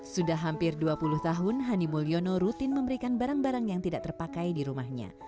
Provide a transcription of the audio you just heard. sudah hampir dua puluh tahun hani mulyono rutin memberikan barang barang yang tidak terpakai di rumahnya